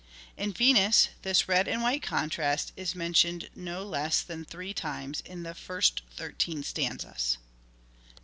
In " Venus " this red and white contrast is men tioned no less than three times in the first thirteen stanzas.